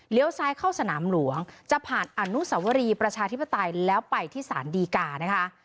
ซ้ายเข้าสนามหลวงจะผ่านอนุสวรีประชาธิปไตยแล้วไปที่สารดีกานะคะ